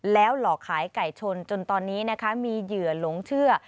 แล้วหลอกขายไก่ชนจนตอนนี้นะคะมีเหยื่อหลงเชื่อ